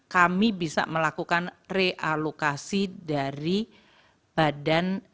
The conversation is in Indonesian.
kami bisa melakukan realokasi dari badan